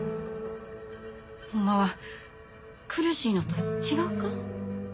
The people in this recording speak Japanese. ホンマは苦しいのと違うか？